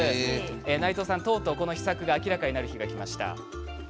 内藤さん、とうとうこの秘策が明らかになる日がきました。